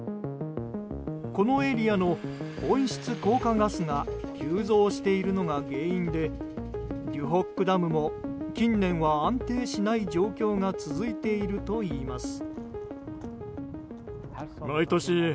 このエリアの温室効果ガスが急増しているのが原因でデュホック・ダムも近年は安定しない状況が続いているといいます。